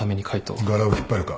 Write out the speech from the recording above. ガラを引っ張るか？